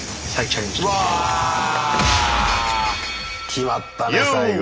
決まったね最後。